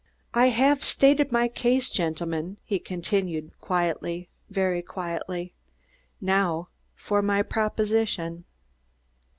"I have stated my case, gentlemen," he continued quietly, very quietly. "Now for my proposition.